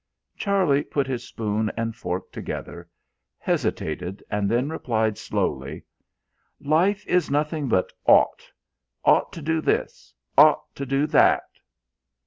Charlie put his spoon and fork together, hesitated and then replied slowly: "Life is nothing but 'ought.' 'Ought' to do this: 'Ought' to do that."